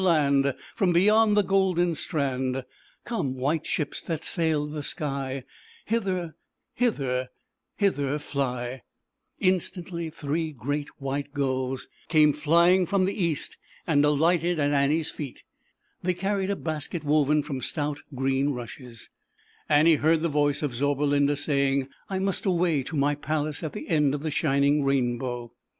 land, Tom beyond the Golden Strand, 'ome, white ships that sail the sky, Hither, hither, hither fly." :antly three great white gulls came :rom the east and alighted at r Bta2Sfl vflP O ZAUBERLINDA, THE WISE WITCH. 2 41 Annie's feet. They carried a basket woven from stout green rushes. Annie heard the voice of Zauberlinda saying, "I must away to my palace at the end of the shining rainbow."